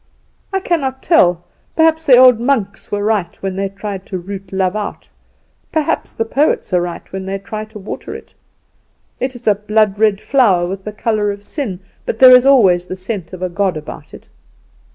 I cannot tell, perhaps the old monks were right when they tried to root love out; perhaps the poets are right when they try to water it. It is a blood red flower, with the colour of sin; but there is always the scent of a god about it."